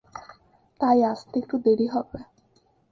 তাই আসতে একটু দেরি হবে।